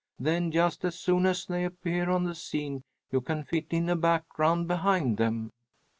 Then just as soon as they appear on the scene you can fit in a background behind them."